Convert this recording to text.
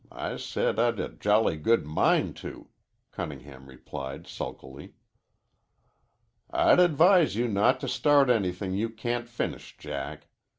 I said I'd a jolly good mind to," Cunningham replied sulkily. "I'd advise you not to start anything you can't finish, Jack.